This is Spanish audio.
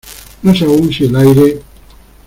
No sé aún si el aire